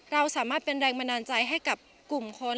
เราสามารถเป็นแรงบันดาลใจให้กับกลุ่มคน